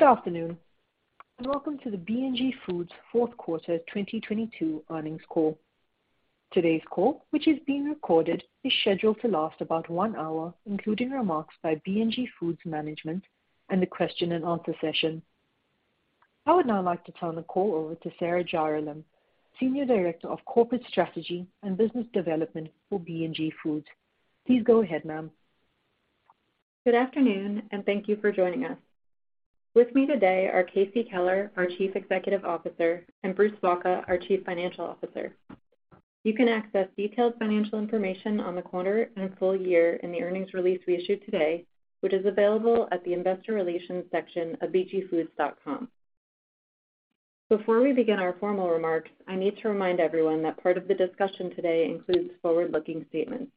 Good afternoon, welcome to the B&G Foods Fourth Quarter 2022 earnings call. Today's call, which is being recorded, is scheduled to last about 1 hour, including remarks by B&G Foods management and the question and answer session. I would now like to turn the call over to Sarah Jarolem, Senior Director of Corporate Strategy and Business Development for B&G Foods. Please go ahead, ma'am. Good afternoon, and thank you for joining us. With me today are Casey Keller, our Chief Executive Officer, and Bruce Wacha, our Chief Financial Officer. You can access detailed financial information on the quarter and full year in the earnings release we issued today, which is available at the investor relations section of bgfoods.com. Before we begin our formal remarks, I need to remind everyone that part of the discussion today includes forward-looking statements.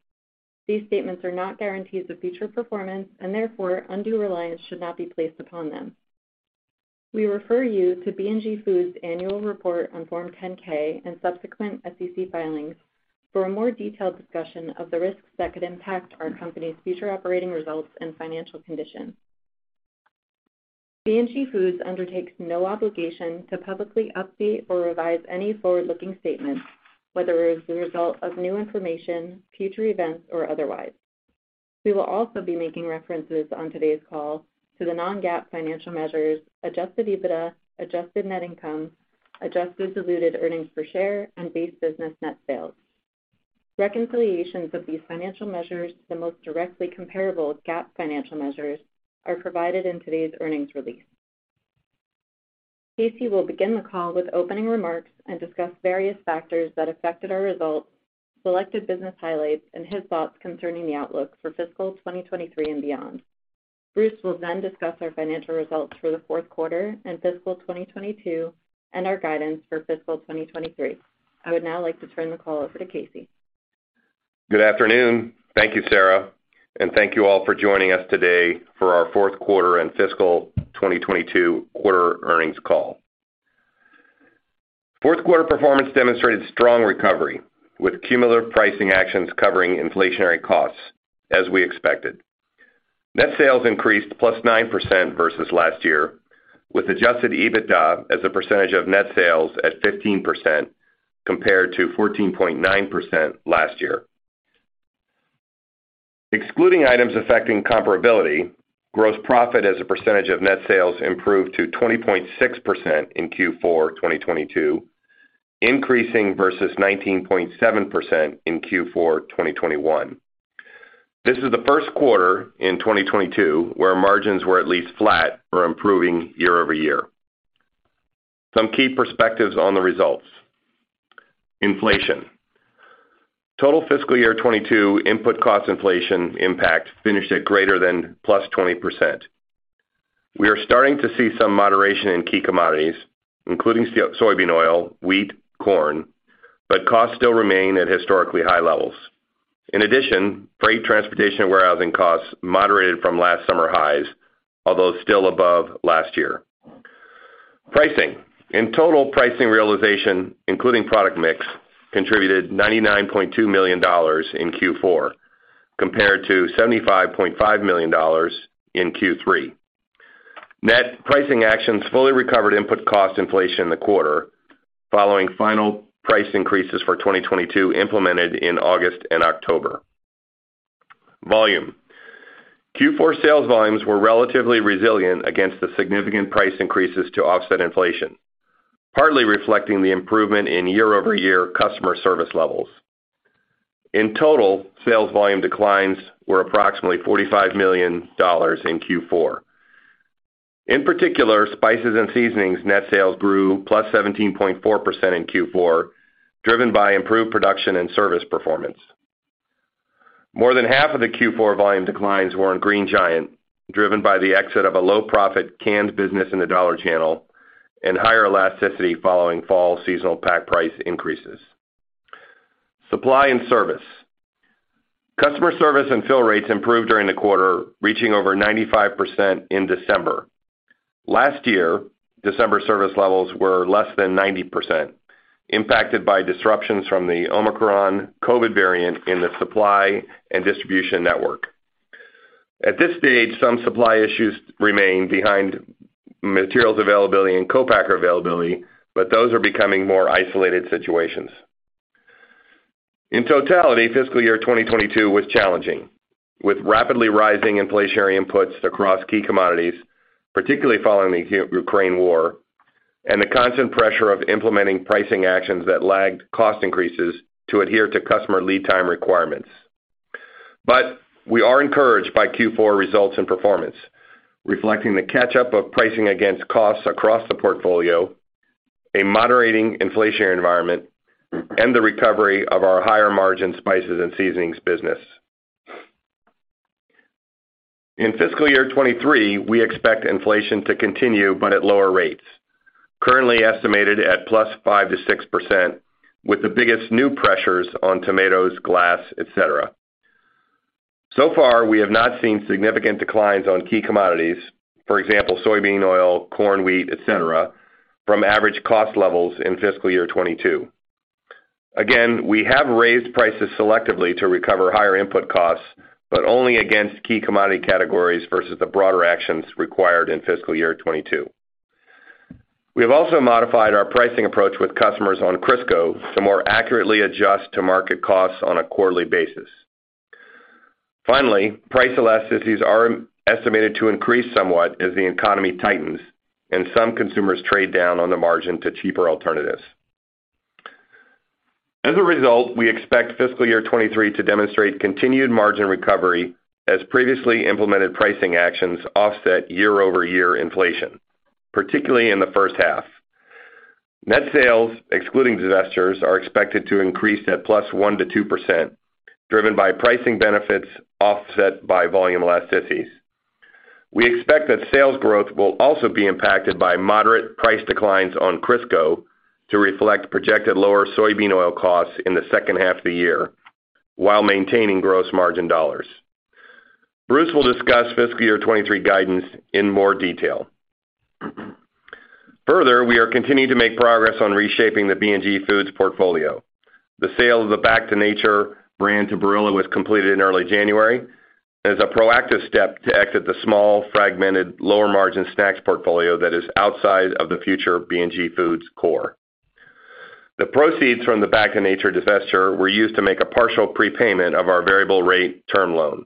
These statements are not guarantees of future performance, and therefore undue reliance should not be placed upon them. We refer you to B&G Foods annual report on form 10-K and subsequent SEC filings for a more detailed discussion of the risks that could impact our company's future operating results and financial conditions. B&G Foods undertakes no obligation to publicly update or revise any forward-looking statements, whether it is the result of new information, future events, or otherwise. We will also be making references on today's call to the non-GAAP financial measures, adjusted EBITDA, adjusted net income, adjusted diluted earnings per share, and base business net sales. Reconciliations of these financial measures to the most directly comparable GAAP financial measures are provided in today's earnings release. Casey will begin the call with opening remarks and discuss various factors that affected our results, selected business highlights, and his thoughts concerning the outlook for fiscal 2023 and beyond. Bruce will discuss our financial results for the fourth quarter and fiscal 2022, and our guidance for fiscal 2023. I would now like to turn the call over to Casey. Good afternoon. Thank you, Sarah, and thank you all for joining us today for our fourth quarter and fiscal 2022 quarter earnings call. Fourth quarter performance demonstrated strong recovery, with cumulative pricing actions covering inflationary costs, as we expected. Net sales increased +9% versus last year, with adjusted EBITDA as a percentage of net sales at 15% compared to 14.9% last year. Excluding items affecting comparability, gross profit as a percentage of net sales improved to 20.6% in Q4 2022, increasing versus 19.7% in Q4 2021. This is the first quarter in 2022 where margins were at least flat or improving year over year. Some key perspectives on the results. Inflation. Total fiscal year 22 input cost inflation impact finished at greater than +20%. We are starting to see some moderation in key commodities, including soybean oil, wheat, corn. Costs still remain at historically high levels. In addition, freight, transportation and warehousing costs moderated from last summer highs, although still above last year. Pricing. In total, pricing realization, including product mix, contributed $99.2 million in Q4, compared to $75.5 million in Q3. Net pricing actions fully recovered input cost inflation in the quarter, following final price increases for 2022 implemented in August and October. Volume. Q4 sales volumes were relatively resilient against the significant price increases to offset inflation, partly reflecting the improvement in year-over-year customer service levels. In total, sales volume declines were approximately $45 million in Q4. In particular, spices and seasonings net sales grew +17.4% in Q4, driven by improved production and service performance. More than half of the Q4 volume declines were in Green Giant, driven by the exit of a low profit canned business in the Dollar channel and higher elasticity following fall seasonal pack price increases. Supply and service. Customer service and fill rates improved during the quarter, reaching over 95% in December. Last year, December service levels were less than 90%, impacted by disruptions from the Omicron COVID variant in the supply and distribution network. At this stage, some supply issues remain behind materials availability and co-packer availability, but those are becoming more isolated situations. In totality, fiscal year 2022 was challenging, with rapidly rising inflationary inputs across key commodities, particularly following the Ukraine war, and the constant pressure of implementing pricing actions that lagged cost increases to adhere to customer lead time requirements. We are encouraged by Q4 results and performance, reflecting the catch-up of pricing against costs across the portfolio, a moderating inflationary environment, and the recovery of our higher margin spices and seasonings business. In fiscal year 2023, we expect inflation to continue, but at lower rates, currently estimated at +5% to 6%, with the biggest new pressures on tomatoes, glass, et cetera. So far, we have not seen significant declines on key commodities, for example, soybean oil, corn, wheat, et cetera, from average cost levels in fiscal year 2022. We have raised prices selectively to recover higher input costs, but only against key commodity categories versus the broader actions required in fiscal year 2022. We have also modified our pricing approach with customers on Crisco to more accurately adjust to market costs on a quarterly basis. Finally, price elasticities are estimated to increase somewhat as the economy tightens and some consumers trade down on the margin to cheaper alternatives. As a result, we expect fiscal year 23 to demonstrate continued margin recovery as previously implemented pricing actions offset year-over-year inflation, particularly in the first half. Net sales, excluding divestitures, are expected to increase at +1%-2%, driven by pricing benefits offset by volume elasticities. We expect that sales growth will also be impacted by moderate price declines on Crisco to reflect projected lower soybean oil costs in the second half of the year while maintaining gross margin dollars. Bruce will discuss fiscal year 23 guidance in more detail. Further, we are continuing to make progress on reshaping the B&G Foods portfolio. The sale of the Back to Nature brand to Barilla was completed in early January as a proactive step to exit the small, fragmented, lower-margin snacks portfolio that is outside of the future B&G Foods core. The proceeds from the Back to Nature divestiture were used to make a partial prepayment of our variable rate term loan.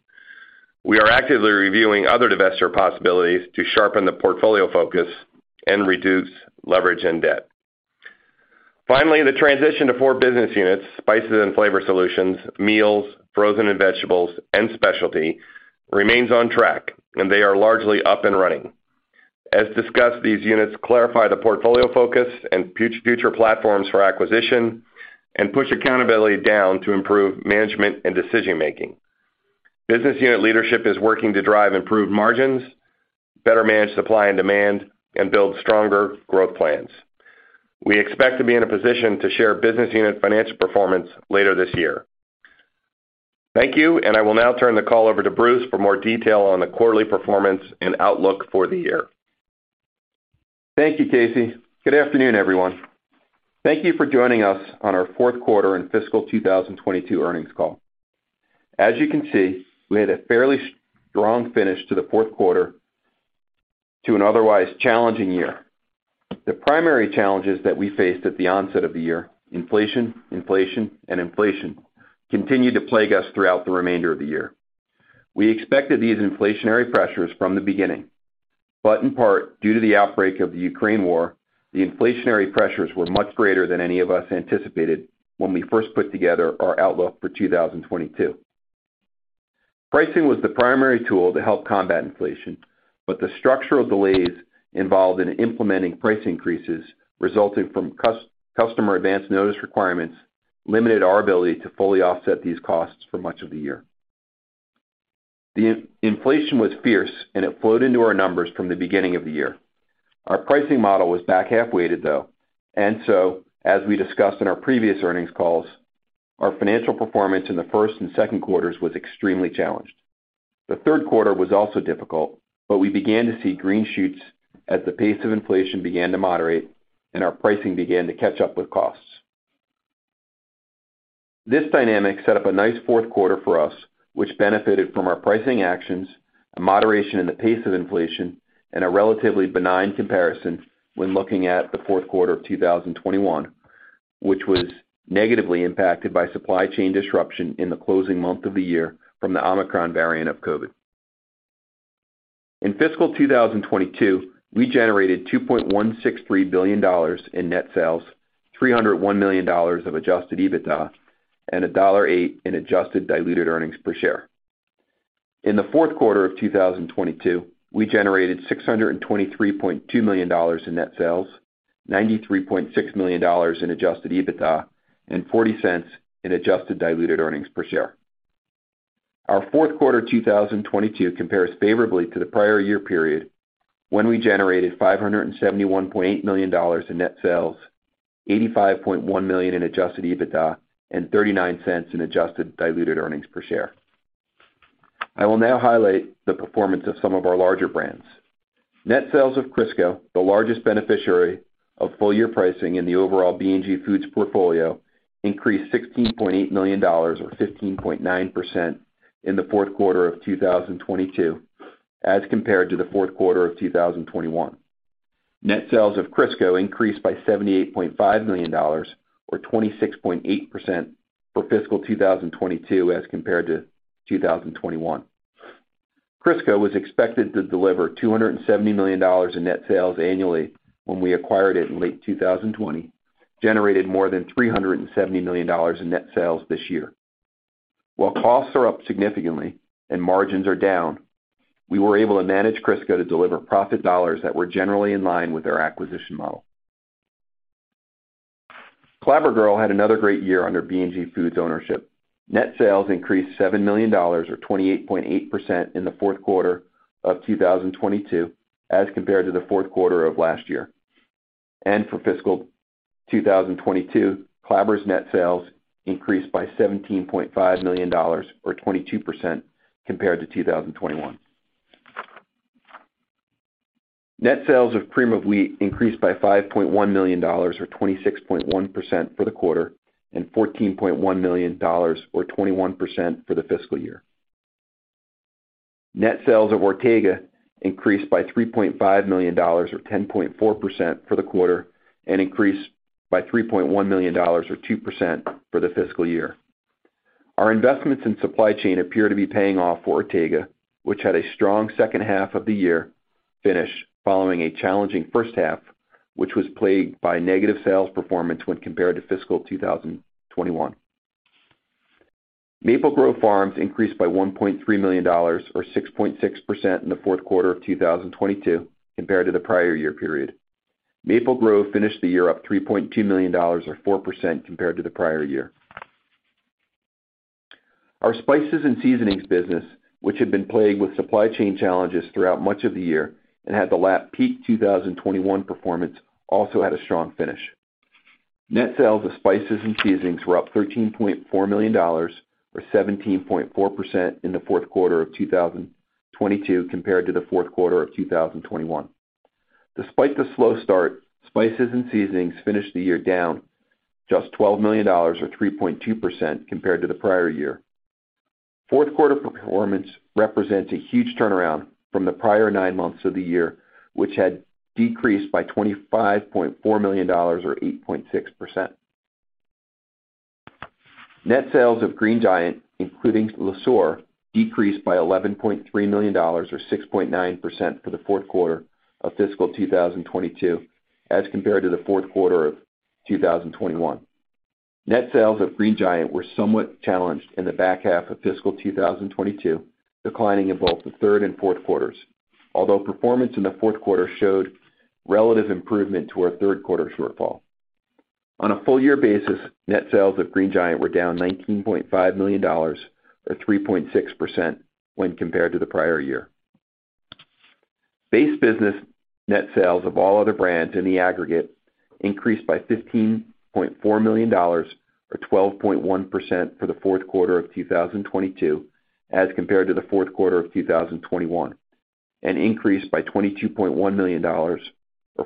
We are actively reviewing other divestiture possibilities to sharpen the portfolio focus and reduce leverage and debt. The transition to four business units, Spices & Flavor Solutions, Meals, Frozen & Vegetables, and Specialty, remains on track, and they are largely up and running. As discussed, these units clarify the portfolio focus and future platforms for acquisition and push accountability down to improve management and decision-making. Business unit leadership is working to drive improved margins, better manage supply and demand, and build stronger growth plans. We expect to be in a position to share business unit financial performance later this year. Thank you. I will now turn the call over to Bruce for more detail on the quarterly performance and outlook for the year. Thank you, Casey. Good afternoon, everyone. Thank you for joining us on our fourth quarter and fiscal 2022 earnings call. As you can see, we had a fairly strong finish to the fourth quarter to an otherwise challenging year. The primary challenges that we faced at the onset of the year, inflation, and inflation, continued to plague us throughout the remainder of the year. We expected these inflationary pressures from the beginning, in part, due to the outbreak of the Ukraine War, the inflationary pressures were much greater than any of us anticipated when we first put together our outlook for 2022. Pricing was the primary tool to help combat inflation, the structural delays involved in implementing price increases resulting from customer advance notice requirements limited our ability to fully offset these costs for much of the year. The inflation was fierce, and it flowed into our numbers from the beginning of the year. Our pricing model was back half-weighted, though, as we discussed in our previous earnings calls, our financial performance in the first and second quarters was extremely challenged. The third quarter was also difficult, we began to see green shoots as the pace of inflation began to moderate and our pricing began to catch up with costs. This dynamic set up a nice fourth quarter for us, which benefited from our pricing actions, a moderation in the pace of inflation, and a relatively benign comparison when looking at the fourth quarter of 2021, which was negatively impacted by supply chain disruption in the closing month of the year from the Omicron variant of COVID. In fiscal 2022, we generated $2.163 billion in net sales, $301 million of adjusted EBITDA, and $1.08 in adjusted diluted earnings per share. In the fourth quarter of 2022, we generated $623.2 million in net sales, $93.6 million in adjusted EBITDA, and $0.40 in adjusted diluted earnings per share. Our fourth quarter 2022 compares favorably to the prior year period when we generated $571.8 million in net sales, $85.1 million in adjusted EBITDA, and $0.39 in adjusted diluted earnings per share. I will now highlight the performance of some of our larger brands. Net sales of Crisco, the largest beneficiary of full year pricing in the overall B&G Foods portfolio, increased $16.8 million or 15.9% in the fourth quarter of 2022 as compared to the fourth quarter of 2021. Net sales of Crisco increased by $78.5 million or 26.8% for fiscal 2022 as compared to 2021. Crisco was expected to deliver $270 million in net sales annually when we acquired it in late 2020, generated more than $370 million in net sales this year. While costs are up significantly and margins are down, we were able to manage Crisco to deliver profit dollars that were generally in line with our acquisition model. Clabber Girl had another great year under B&G Foods ownership. Net sales increased $7 million or 28.8% in the fourth quarter of 2022 as compared to the fourth quarter of last year. For fiscal 2022, Clabber's net sales increased by $17.5 million or 22% compared to 2021. Net sales of Cream of Wheat increased by $5.1 million or 26.1% for the quarter, and $14.1 million or 21% for the fiscal year. Net sales of Ortega increased by $3.5 million or 10.4% for the quarter, and increased by $3.1 million or 2% for the fiscal year. Our investments in supply chain appear to be paying off for Ortega, which had a strong second half of the year finish, following a challenging first half, which was plagued by negative sales performance when compared to fiscal 2021. Maple Grove Farms increased by $1.3 million or 6.6% in the fourth quarter of 2022 compared to the prior year period. Maple Grove finished the year up $3.2 million or 4% compared to the prior year. Our Spices & Flavor Solutions business, which had been plagued with supply chain challenges throughout much of the year and had the lap peak 2021 performance, also had a strong finish. Net sales of Spices & Flavor Solutions were up $13.4 million or 17.4% in the fourth quarter of 2022 compared to the fourth quarter of 2021. Despite the slow start, Spices & Flavor Solutions finished the year down just $12 million or 3.2% compared to the prior year. Fourth quarter performance represents a huge turnaround from the prior nine months of the year, which had decreased by $25.4 million or 8.6%. Net sales of Green Giant, including Le Sueur, decreased by $11.3 million or 6.9% for the fourth quarter of fiscal 2022 as compared to the fourth quarter of 2021. Net sales of Green Giant were somewhat challenged in the back half of fiscal 2022, declining in both the third and fourth quarters. Performance in the fourth quarter showed relative improvement to our third quarter shortfall. On a full year basis, net sales of Green Giant were down $19.5 million or 3.6% when compared to the prior year. Base business net sales of all other brands in the aggregate increased by $15.4 million or 12.1% for the fourth quarter of 2022 as compared to the fourth quarter of 2021, and increased by $22.1 million or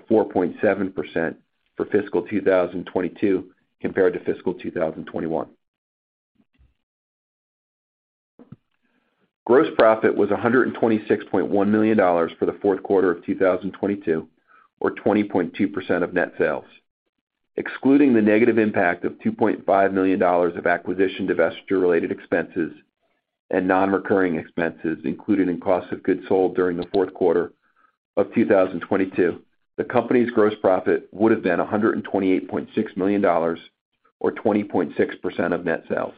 4.7% for fiscal 2022 compared to fiscal 2021. Gross profit was $126.1 million for the fourth quarter of 2022 or 20.2% of net sales. Excluding the negative impact of $2.5 million of acquisition divestiture related expenses and non-recurring expenses included in cost of goods sold during the fourth quarter of 2022, the company's gross profit would have been $128.6 million or 20.6% of net sales.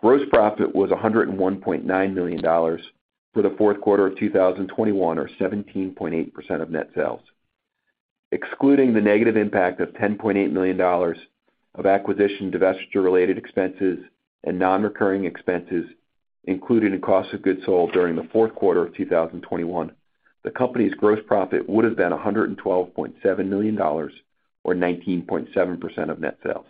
Gross profit was $101.9 million for the fourth quarter of 2021 or 17.8% of net sales. Excluding the negative impact of $10.8 million of acquisition, divestiture related expenses and non-recurring expenses included in cost of goods sold during the fourth quarter of 2021, the company's gross profit would have been $112.7 million or 19.7% of net sales.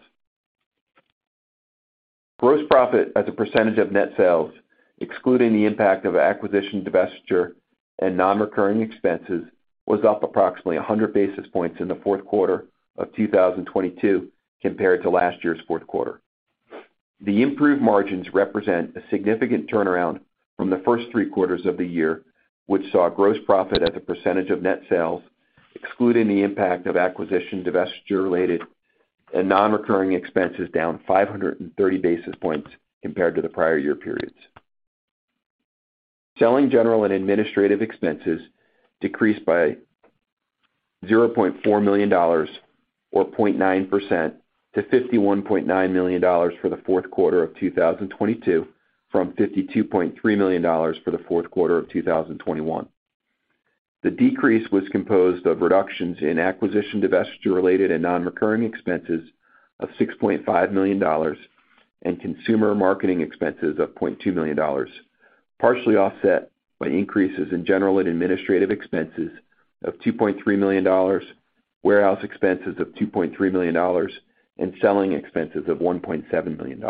Gross profit as a percentage of net sales, excluding the impact of acquisition, divestiture and non-recurring expenses, was up approximately 100 basis points in the fourth quarter of 2022 compared to last year's fourth quarter. The improved margins represent a significant turnaround from the first three quarters of the year, which saw gross profit as a percentage of net sales, excluding the impact of acquisition, divestiture related and non-recurring expenses down 530 basis points compared to the prior year periods. Selling general and administrative expenses decreased by $0.4 million or 0.9% to $51.9 million for the fourth quarter of 2022, from $52.3 million for the fourth quarter of 2021. The decrease was composed of reductions in acquisition, divestiture related and non-recurring expenses of $6.5 million, and consumer marketing expenses of $0.2 million, partially offset by increases in general and administrative expenses of $2.3 million, warehouse expenses of $2.3 million, and selling expenses of $1.7 million.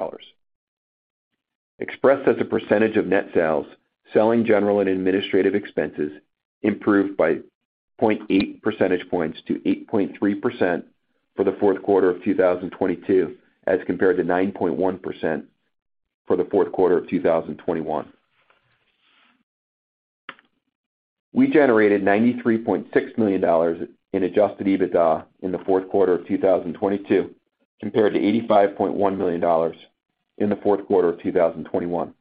Expressed as a percentage of net sales, selling general and administrative expenses improved by 0.8 percentage points to 8.3% for the fourth quarter of 2022, as compared to 9.1% for the fourth quarter of 2021. We generated $93.6 million in adjusted EBITDA in the fourth quarter of 2022 compared to $85.1 million in the fourth quarter of 2021.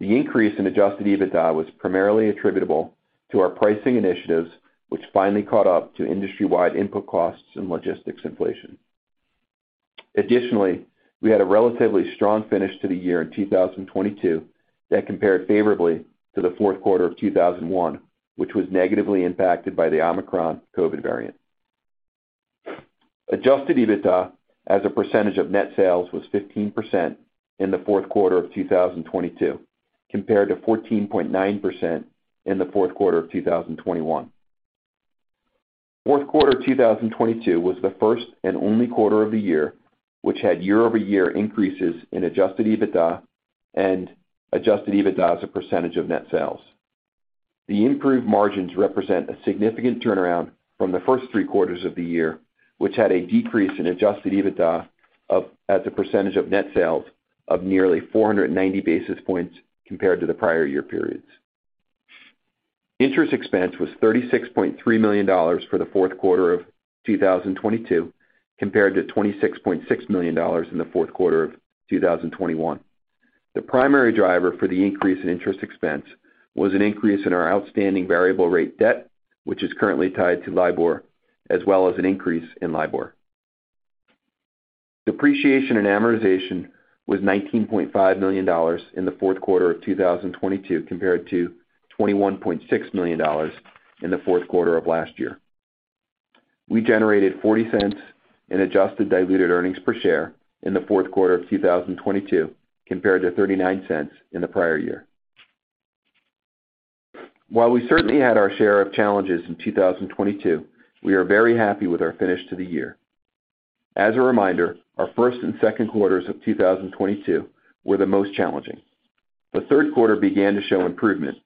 The increase in adjusted EBITDA was primarily attributable to our pricing initiatives, which finally caught up to industry-wide input costs and logistics inflation. We had a relatively strong finish to the year in 2022 that compared favorably to the fourth quarter of 2021, which was negatively impacted by the Omicron COVID variant. adjusted EBITDA as a percentage of net sales was 15% in the fourth quarter of 2022 compared to 14.9% in the fourth quarter of 2021. Fourth quarter 2022 was the first and only quarter of the year, which had year-over-year increases in adjusted EBITDA and adjusted EBITDA as a percentage of net sales. The improved margins represent a significant turnaround from the first three quarters of the year, which had a decrease in adjusted EBITDA as a percentage of net sales of nearly 490 basis points compared to the prior year periods. Interest expense was $36.3 million for the fourth quarter of 2022, compared to $26.6 million in the fourth quarter of 2021. The primary driver for the increase in interest expense was an increase in our outstanding variable rate debt, which is currently tied to LIBOR, as well as an increase in LIBOR. Depreciation and amortization was $19.5 million in the fourth quarter of 2022, compared to $21.6 million in the fourth quarter of last year. We generated $0.40 in adjusted diluted earnings per share in the fourth quarter of 2022, compared to $0.39 in the prior year. While we certainly had our share of challenges in 2022, we are very happy with our finish to the year. As a reminder, our first and second quarters of 2022 were the most challenging. The third quarter began to show improvement.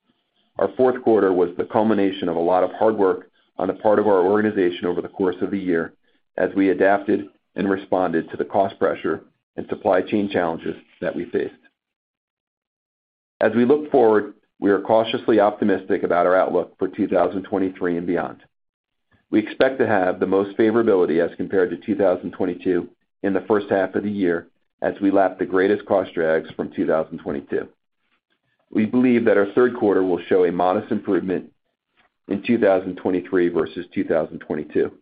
Our fourth quarter was the culmination of a lot of hard work on the part of our organization over the course of the year as we adapted and responded to the cost pressure and supply chain challenges that we faced. We look forward, we are cautiously optimistic about our outlook for 2023 and beyond. We expect to have the most favorability as compared to 2022 in the first half of the year as we lap the greatest cost drags from 2022. We believe that our third quarter will show a modest improvement in 2023 versus 2022.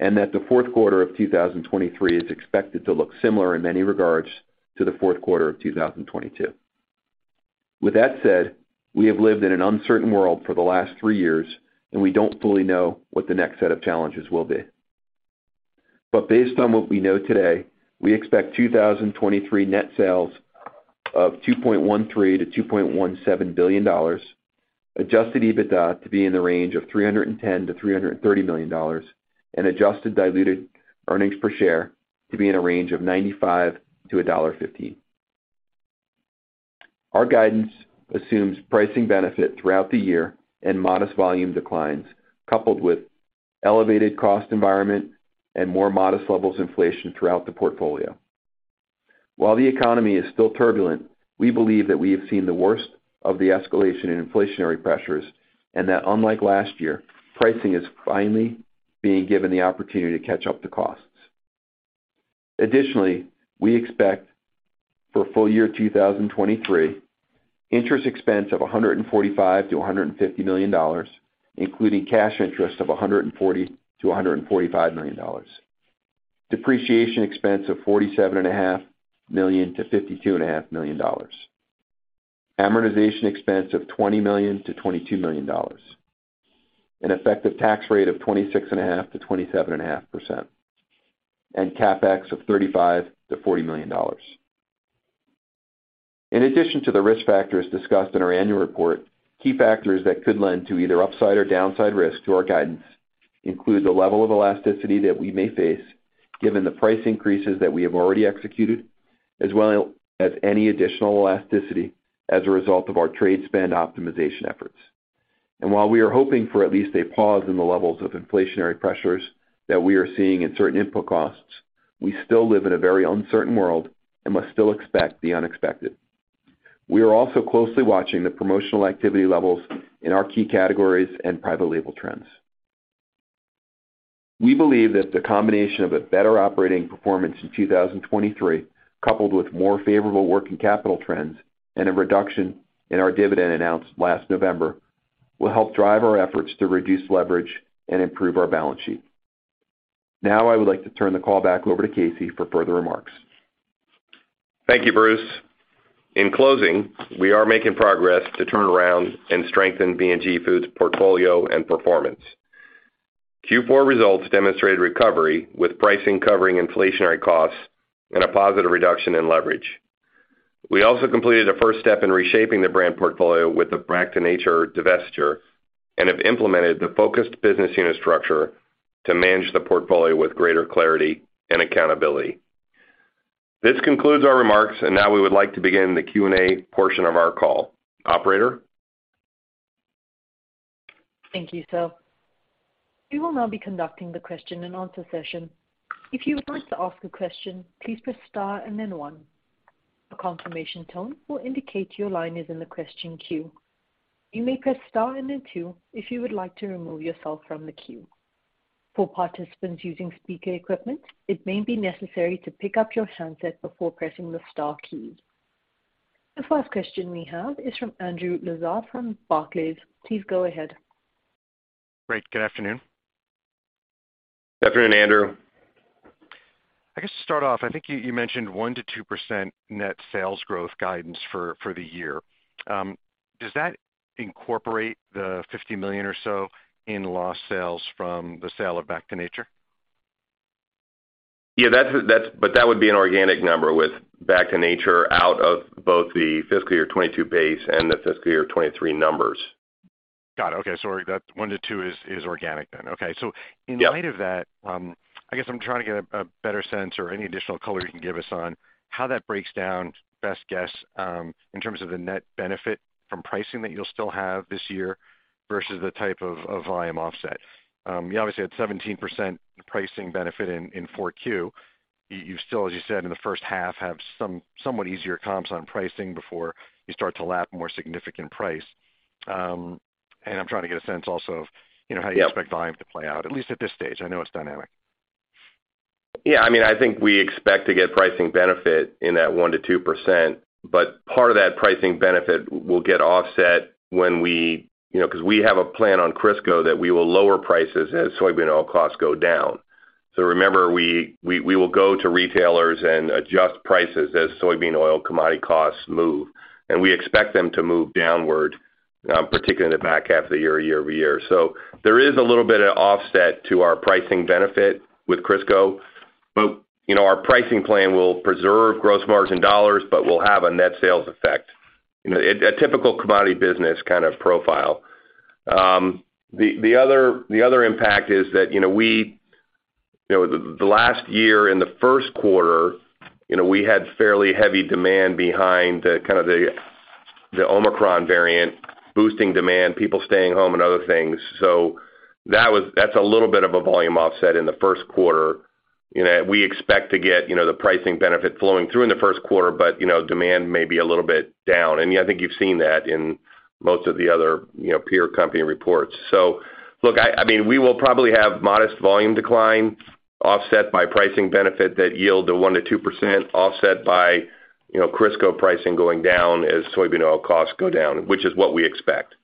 The fourth quarter of 2023 is expected to look similar in many regards to the fourth quarter of 2022. With that said, we have lived in an uncertain world for the last 3 years. We don't fully know what the next set of challenges will be. Based on what we know today, we expect 2023 net sales of $2.13 billion-$2.17 billion, adjusted EBITDA to be in the range of $310 million-$330 million. Adjusted diluted earnings per share to be in a range of $0.95-$1.15. Our guidance assumes pricing benefit throughout the year and modest volume declines, coupled with elevated cost environment and more modest levels of inflation throughout the portfolio. While the economy is still turbulent, we believe that we have seen the worst of the escalation in inflationary pressures, and that unlike last year, pricing is finally being given the opportunity to catch up to costs. Additionally, we expect for full year 2023 interest expense of $145 million-$150 million, including cash interest of $140 million-$145 million. Depreciation expense of forty-seven and a half million to fifty-two and a half million dollars. Amortization expense of $20 million-$22 million. An effective tax rate of 26.5%-27.5%. CapEx of $35 million-$40 million. In addition to the risk factors discussed in our annual report, key factors that could lend to either upside or downside risk to our guidance include the level of elasticity that we may face given the price increases that we have already executed, as well as any additional elasticity as a result of our trade spend optimization efforts. While we are hoping for at least a pause in the levels of inflationary pressures that we are seeing in certain input costs, we still live in a very uncertain world and must still expect the unexpected. We are also closely watching the promotional activity levels in our key categories and private label trends. We believe that the combination of a better operating performance in 2023, coupled with more favorable working capital trends and a reduction in our dividend announced last November, will help drive our efforts to reduce leverage and improve our balance sheet. I would like to turn the call back over to Casey for further remarks. Thank you, Bruce. In closing, we are making progress to turn around and strengthen B&G Foods' portfolio and performance. Q4 results demonstrated recovery with pricing covering inflationary costs and a positive reduction in leverage. We also completed the first step in reshaping the brand portfolio with the Back to Nature divestiture and have implemented the focused business unit structure to manage the portfolio with greater clarity and accountability. This concludes our remarks. Now we would like to begin the Q&A portion of our call. Operator? Thank you, sir. We will now be conducting the question and answer session. If you would like to ask a question, please press star and then one. A confirmation tone will indicate your line is in the question queue. You may press star and then two if you would like to remove yourself from the queue. For participants using speaker equipment, it may be necessary to pick up your handset before pressing the star key. The first question we have is from Andrew Lazar from Barclays. Please go ahead. Great. Good afternoon. Good afternoon, Andrew. I guess to start off, I think you mentioned 1%-2% net sales growth guidance for the year. Does that incorporate the $50 million or so in lost sales from the sale of Back to Nature? That would be an organic number with Back to Nature out of both the fiscal year 2022 base and the fiscal year 2023 numbers. Got it. Okay. That 1%-2% is organic then. Okay. Yep. In light of that, I guess I'm trying to get a better sense or any additional color you can give us on how that breaks down, best guess, in terms of the net benefit from pricing that you'll still have this year versus the type of volume offset. You obviously had 17% pricing benefit in Q4. You still, as you said in the first half, have some somewhat easier comps on pricing before you start to lap more significant price. And I'm trying to get a sense also of, you know. Yep. How you expect volume to play out, at least at this stage? I know it's dynamic. Yeah. I mean, I think we expect to get pricing benefit in that 1%-2%, but part of that pricing benefit will get offset when we. You know, 'cause we have a plan on Crisco that we will lower prices as soybean oil costs go down. Remember, we will go to retailers and adjust prices as soybean oil commodity costs move, and we expect them to move downward, particularly in the back half of the year-over-year. There is a little bit of offset to our pricing benefit with Crisco. You know, our pricing plan will preserve gross margin dollars, but will have a net sales effect. You know, a typical commodity business kind of profile. The other impact is that, you know, we, the last year in the first quarter, you know, we had fairly heavy demand behind kind of the Omicron variant boosting demand, people staying home and other things. That's a little bit of a volume offset in the first quarter. You know, we expect to get, you know, the pricing benefit flowing through in the first quarter, but, you know, demand may be a little bit down. Yeah, I think you've seen that in most of the other, you know, peer company reports. Look, I mean, we will probably have modest volume decline offset by pricing benefit that yield the 1%-2% offset by, you know, Crisco pricing going down as soybean oil costs go down, which is what we expect.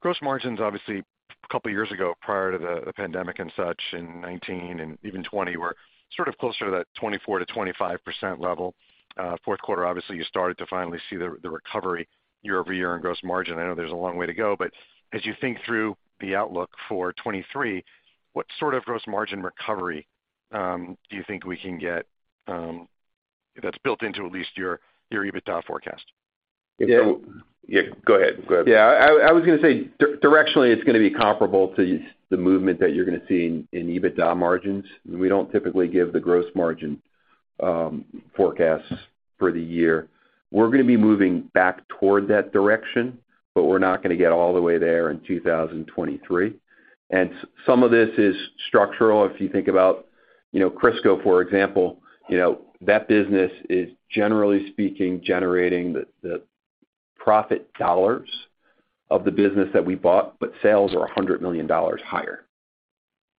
Gross margins, obviously a couple of years ago, prior to the pandemic and such, in 2019 and even 2020, were sort of closer to that 24%-25% level. Fourth quarter, obviously, you started to finally see the recovery year-over-year in gross margin. I know there's a long way to go, as you think through the outlook for 2023, what sort of gross margin recovery do you think we can get that's built into at least your EBITDA forecast? Yeah. Go ahead. Go ahead. Yeah. I was gonna say directionally it's gonna be comparable to the movement that you're gonna see in EBITDA margins. We don't typically give the gross margin forecasts for the year. We're gonna be moving back toward that direction, but we're not gonna get all the way there in 2023. Some of this is structural. If you think about, you know, Crisco for example, you know, that business is, generally speaking, generating the profit dollars of the business that we bought, but sales are $100 million higher,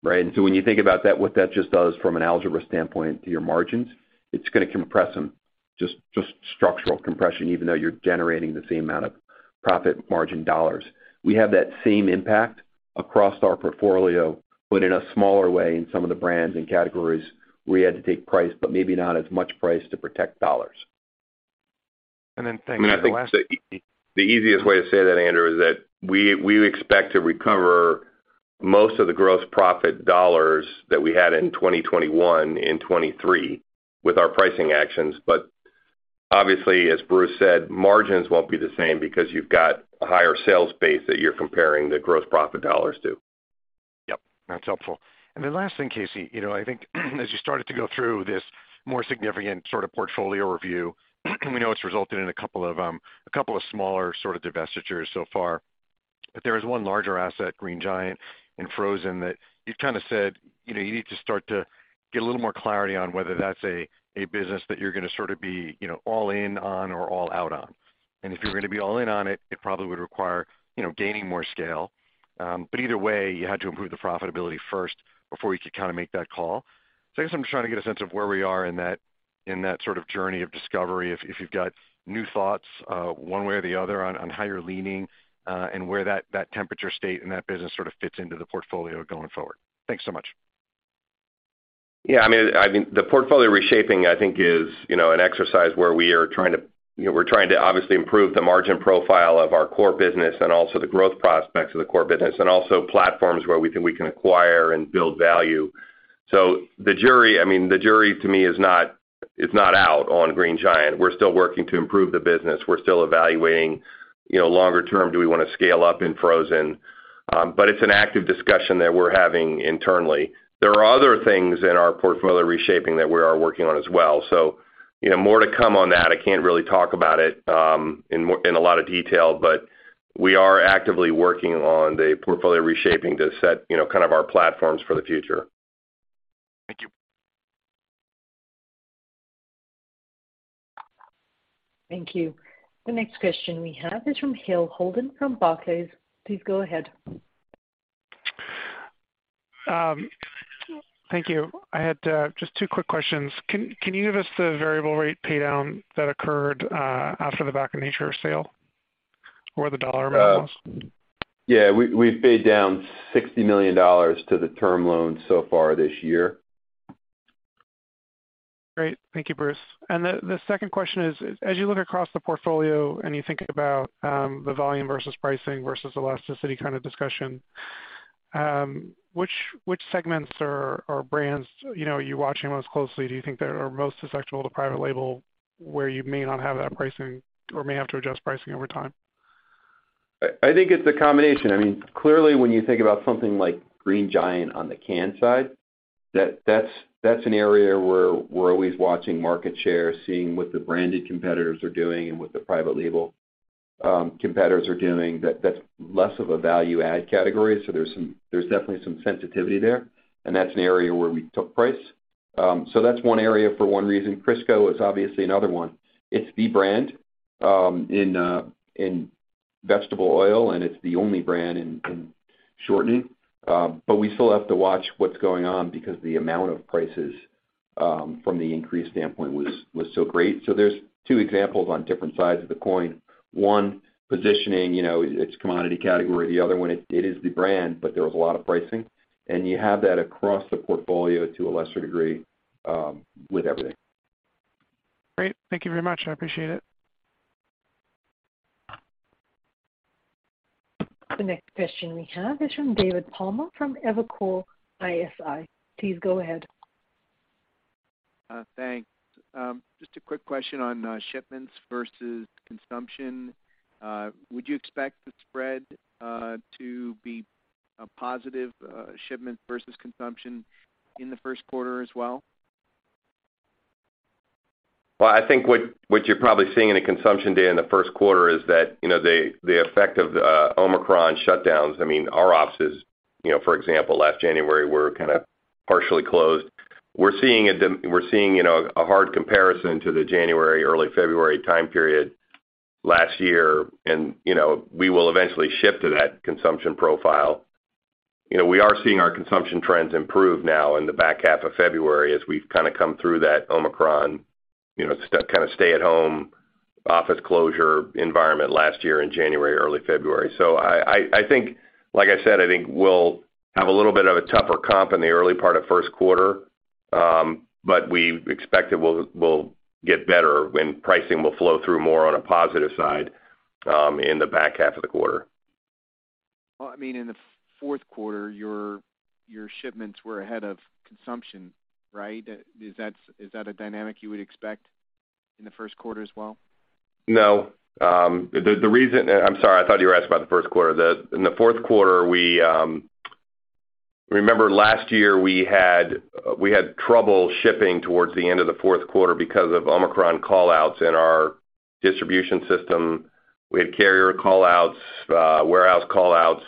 right? When you think about that, what that just does from an algebra standpoint to your margins, it's gonna compress them, just structural compression even though you're generating the same amount of profit margin dollars. We have that same impact across our portfolio, but in a smaller way in some of the brands and categories where we had to take price, but maybe not as much price to protect dollars. Thank you- I think the easiest way to say that, Andrew, is that we expect to recover most of the gross profit dollars that we had in 2021 and 2023 with our pricing actions. Obviously, as Bruce said, margins won't be the same because you've got a higher sales base that you're comparing the gross profit dollars to. Yep, that's helpful. Last thing, Casey. You know, I think as you started to go through this more significant sort of portfolio review, we know it's resulted in a couple of smaller sort of divestitures so far. There is one larger asset, Green Giant and Frozen, that you've kind of said, you know, you need to start to get a little more clarity on whether that's a business that you're gonna sort of be, you know, all in on or all out on. If you're gonna be all in on it probably would require, you know, gaining more scale. Either way, you had to improve the profitability first before you could kinda make that call. I guess I'm just trying to get a sense of where we are in that sort of journey of discovery, if you've got new thoughts, one way or the other on how you're leaning, and where that temperature state and that business sort of fits into the portfolio going forward. Thanks so much. Yeah, I mean, I think the portfolio reshaping, I think, is, you know, an exercise where, you know, we're trying to obviously improve the margin profile of our core business and also the growth prospects of the core business, and also platforms where we think we can acquire and build value. The jury, I mean, to me is not out on Green Giant. We're still working to improve the business. We're still evaluating, you know, longer term, do we wanna scale up in frozen? But it's an active discussion that we're having internally. There are other things in our portfolio reshaping that we are working on as well. You know, more to come on that. I can't really talk about it, in a lot of detail, but we are actively working on the portfolio reshaping to set, you know, kind of our platforms for the future. Thank you. Thank you. The next question we have is from Hale Holden from Barclays. Please go ahead. Thank you. I had just 2 quick questions. Can you give us the variable rate pay down that occurred after the Back to Nature sale or the dollar amount? Yeah. We've paid down $60 million to the term loan so far this year. Great. Thank you, Bruce. The second question is, as you look across the portfolio and you think about, the volume versus pricing versus elasticity kind of discussion, which segments or brands, you know, are you watching most closely? Do you think they are most susceptible to private label where you may not have that pricing or may have to adjust pricing over time? I think it's a combination. I mean, clearly, when you think about something like Green Giant on the canned side, that's an area where we're always watching market share, seeing what the branded competitors are doing and what the private label competitors are doing. That's less of a value add category, so there's definitely some sensitivity there, and that's an area where we took price. That's one area for one reason. Crisco is obviously another one. It's the brand in vegetable oil, and it's the only brand in shortening. We still have to watch what's going on because the amount of prices from the increase standpoint was so great. There's two examples on different sides of the coin. One, positioning, you know, it's commodity category. The other one, it is the brand, but there was a lot of pricing. You have that across the portfolio to a lesser degree, with everything. Great. Thank you very much. I appreciate it. The next question we have is from David Palmer from Evercore ISI. Please go ahead. Thanks. Just a quick question on shipments versus consumption. Would you expect the spread to be a positive shipment versus consumption in the first quarter as well? Well, I think what you're probably seeing in the consumption data in the first quarter is that, you know, the effect of Omicron shutdowns, I mean, our offices, you know, for example, last January, were kinda partially closed. We're seeing, you know, a hard comparison to the January-early February time period last year and, you know, we will eventually ship to that consumption profile. You know, we are seeing our consumption trends improve now in the back half of February as we've kinda come through that Omicron, you know, kinda stay-at-home office closure environment last year in January, early February. I think, like I said, I think we'll have a little bit of a tougher comp in the early part of first quarter, but we expect it will get better and pricing will flow through more on a positive side, in the back half of the quarter. Well, I mean, in the fourth quarter, your shipments were ahead of consumption, right? Is that is that a dynamic you would expect in the first quarter as well? No. I'm sorry, I thought you were asking about the first quarter. In the fourth quarter we remember last year we had trouble shipping towards the end of the fourth quarter because of Omicron call-outs in our distribution system. We had carrier call-outs, warehouse call-outs,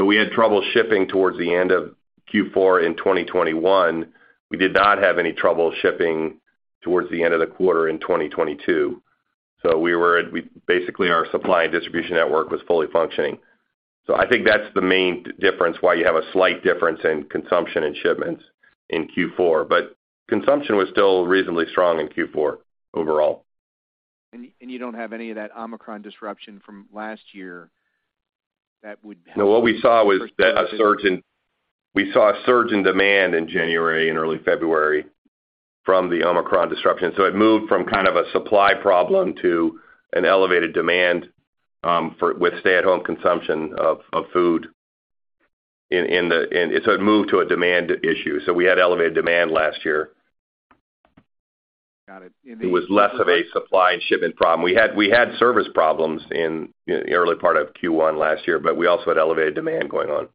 we had trouble shipping towards the end of Q4 in 2021. We did not have any trouble shipping towards the end of the quarter in 2022. Basically, our supply and distribution network was fully functioning. I think that's the main difference why you have a slight difference in consumption and shipments in Q4. Consumption was still reasonably strong in Q4 overall. You don't have any of that Omicron disruption from last year. No, what we saw was a surge in demand in January and early February from the Omicron disruption. It moved from kind of a supply problem to an elevated demand with stay-at-home consumption of food. It moved to a demand issue. We had elevated demand last year. Got it. It was less of a supply and shipment problem. We had service problems in the early part of Q1 last year, but we also had elevated demand going on.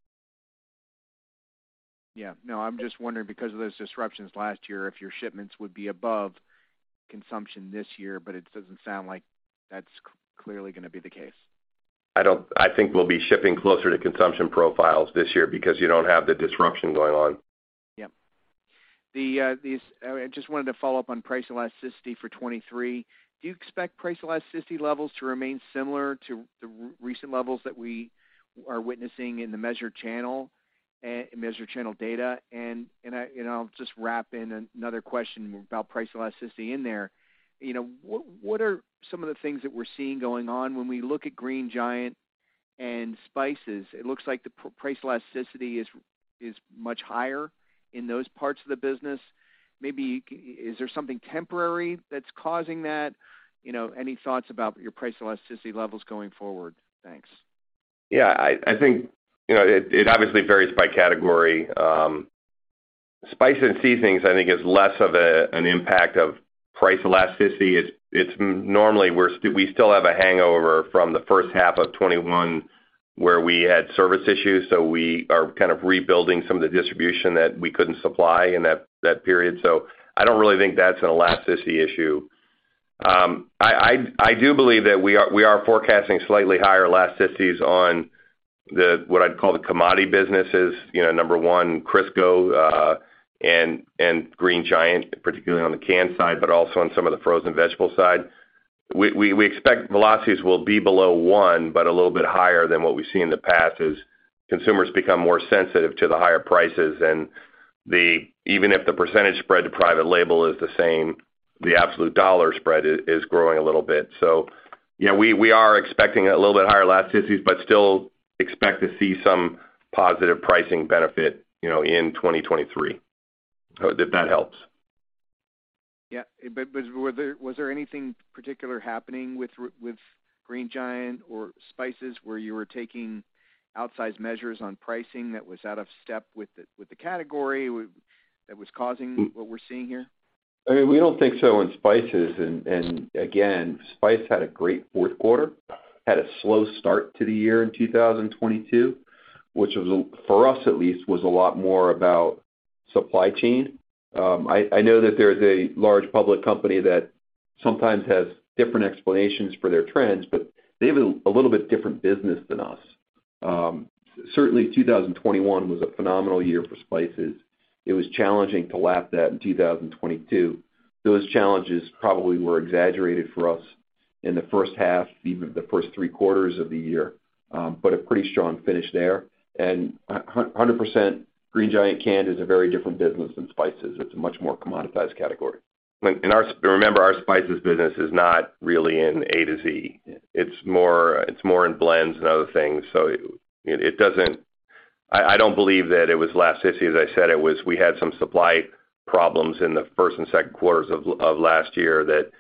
Yeah. No, I'm just wondering, because of those disruptions last year, if your shipments would be above consumption this year, but it doesn't sound like that's clearly gonna be the case. I think we'll be shipping closer to consumption profiles this year because you don't have the disruption going on. I just wanted to follow up on price elasticity for 23. Do you expect price elasticity levels to remain similar to the recent levels that we are witnessing in the measured channel and measured channel data? I'll just wrap in another question about price elasticity in there. You know, what are some of the things that we're seeing going on when we look at Green Giant and spices? It looks like the price elasticity is much higher in those parts of the business. Maybe is there something temporary that's causing that? You know, any thoughts about your price elasticity levels going forward? Thanks. I think, you know, it obviously varies by category. Spice and seasonings, I think, is less of an impact of price elasticity. Normally we still have a hangover from the first half of 2021 where we had service issues, so we are kind of rebuilding some of the distribution that we couldn't supply in that period. I don't really think that's an elasticity issue. I do believe that we are forecasting slightly higher elasticities on the, what I'd call the commodity businesses. You know, number one, Crisco, and Green Giant, particularly on the canned side, but also on some of the frozen vegetable side. We expect velocities will be below 1, but a little bit higher than what we've seen in the past as consumers become more sensitive to the higher prices and even if the % spread to private label is the same. The absolute dollar spread is growing a little bit. Yeah, we are expecting a little bit higher elasticities, but still expect to see some positive pricing benefit, you know, in 2023. That helps. Yeah. Was there anything particular happening with Green Giant or spices where you were taking outsized measures on pricing that was out of step with the category that was causing what we're seeing here? I mean, we don't think so in spices. again, spice had a great fourth quarter, had a slow start to the year in 2022, which was, for us at least, was a lot more about supply chain. I know that there's a large public company that sometimes has different explanations for their trends, but they have a little bit different business than us. certainly, 2021 was a phenomenal year for spices. It was challenging to lap that in 2022. Those challenges probably were exaggerated for us in the first half, even the first three quarters of the year. but a pretty strong finish there. 100% Green Giant canned is a very different business than spices. It's a much more commoditized category. remember, our spices business is not really in A to Z. It's more in blends and other things. I don't believe that it was last issue. As I said, it was we had some supply problems in the first and second quarters of last year that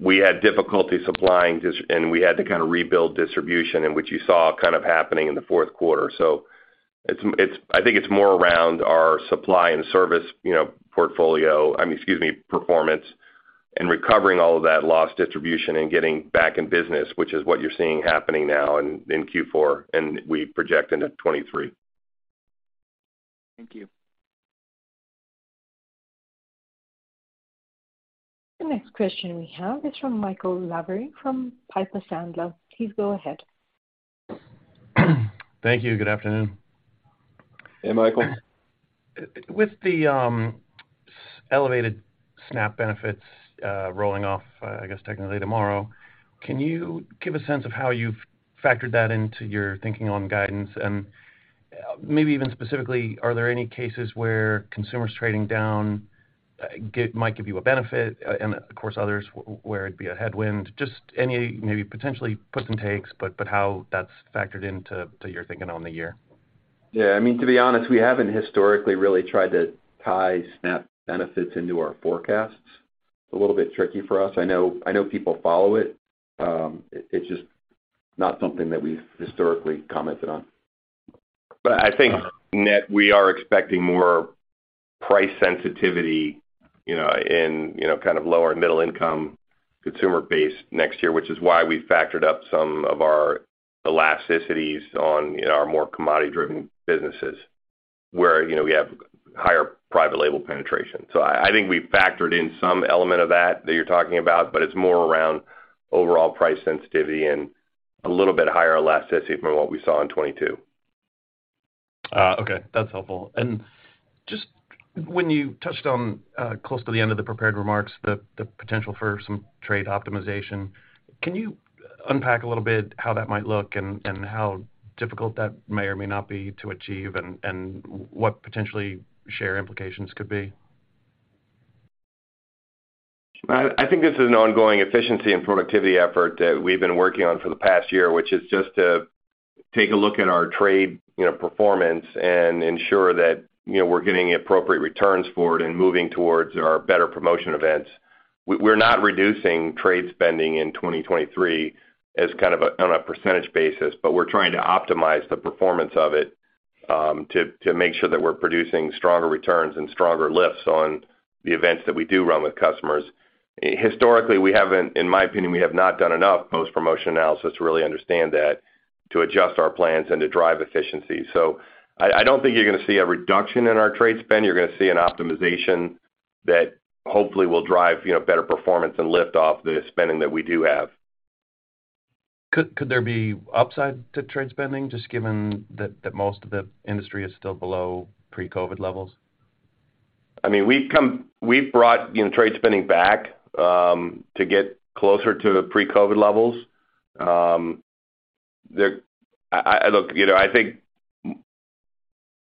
we had difficulty supplying and we had to kind of rebuild distribution in which you saw kind of happening in the fourth quarter. I think it's more around our supply and service, you know, portfolio, I mean, excuse me, performance and recovering all of that lost distribution and getting back in business, which is what you're seeing happening now in Q4, and we project into 2023. Thank you. The next question we have is from Michael Lavery from Piper Sandler. Please go ahead. Thank you. Good afternoon. Hey, Michael. With the elevated SNAP benefits rolling off, I guess technically tomorrow, can you give a sense of how you've factored that into your thinking on guidance? Maybe even specifically, are there any cases where consumers trading down might give you a benefit and of course others where it'd be a headwind, just any maybe potentially puts and takes, but how that's factored into your thinking on the year? Yeah. I mean, to be honest, we haven't historically really tried to tie SNAP benefits into our forecasts. It's a little bit tricky for us. I know people follow it. It's just not something that we've historically commented on. I think net, we are expecting more price sensitivity, you know, in, you know, kind of lower middle income consumer base next year, which is why we factored up some of our elasticities on, in our more commodity-driven businesses where, you know, we have higher private label penetration. I think we factored in some element of that that you're talking about, but it's more around overall price sensitivity and a little bit higher elasticity from what we saw in 22. Okay, that's helpful. Just when you touched on, close to the end of the prepared remarks, the potential for some trade optimization, can you unpack a little bit how that might look and how difficult that may or may not be to achieve and what potentially share implications could be? I think this is an ongoing efficiency and productivity effort that we've been working on for the past year, which is just to take a look at our trade, you know, performance and ensure that, you know, we're getting appropriate returns for it and moving towards our better promotion events. We're not reducing trade spending in 2023 as kind of a, on a percentage basis, but we're trying to optimize the performance of it to make sure that we're producing stronger returns and stronger lifts on the events that we do run with customers. Historically, we haven't in my opinion, we have not done enough post-promotion analysis to really understand that to adjust our plans and to drive efficiency. I don't think you're gonna see a reduction in our trade spend. You're gonna see an optimization that hopefully will drive, you know, better performance and lift off the spending that we do have. Could there be upside to trade spending just given that most of the industry is still below pre-COVID levels? I mean, we've brought, you know, trade spending back, to get closer to the pre-COVID levels. I look, you know, I think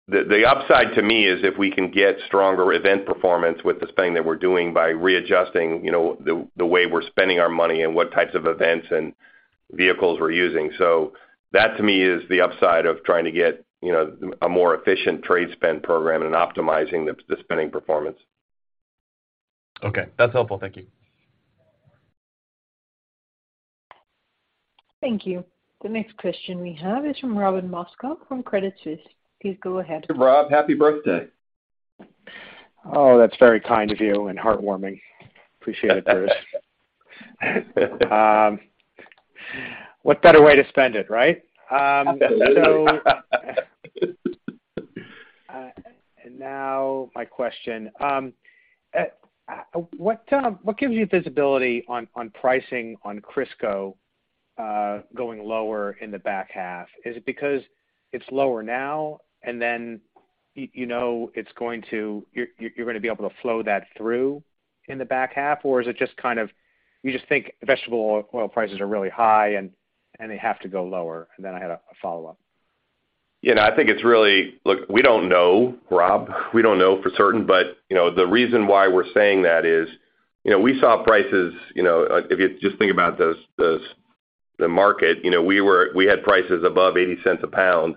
the upside to me is if we can get stronger event performance with the spending that we're doing by readjusting, you know, the way we're spending our money and what types of events and vehicles we're using. That to me is the upside of trying to get, you know, a more efficient trade spend program and optimizing the spending performance. Okay, that's helpful. Thank you. Thank you. The next question we have is from Robert Moskow from Credit Suisse. Please go ahead. Rob, happy birthday. Oh, that's very kind of you and heartwarming. Appreciate it, Bruce. What better way to spend it, right? Now my question. What gives you visibility on pricing on Crisco going lower in the back half? Is it because it's lower now and then you know you're gonna be able to flow that through in the back half? Is it just kind of, you just think vegetable oil prices are really high and they have to go lower? Then I had a follow-up. You know, I think it's really. Look, we don't know, Rob. We don't know for certain. You know, the reason why we're saying that is, you know, we saw prices, you know, if you just think about those the market, you know, we had prices above $0.80 a pound